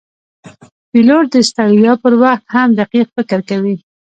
پیلوټ د ستړیا پر وخت هم دقیق فکر کوي.